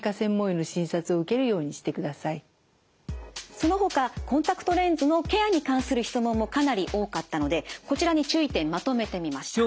そのほかコンタクトレンズのケアに関する質問もかなり多かったのでこちらに注意点まとめてみました。